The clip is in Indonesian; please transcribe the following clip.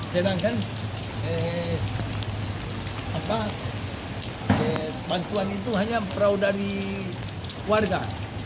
sedangkan bantuan itu hanya perahu dari warga